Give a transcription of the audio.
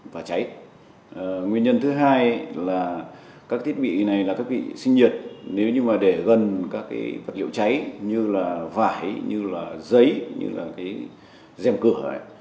về việc sinh nhiệt nếu để gần các vật liệu cháy như vải giấy dèm cửa